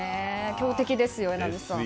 強敵ですよ、榎並さん。